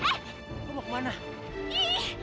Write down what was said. ajar aku juga gimana sih